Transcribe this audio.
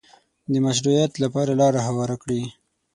د مشروعیت لپاره لاره هواره کړي